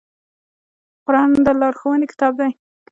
قرآن د لارښوونې کتاب دی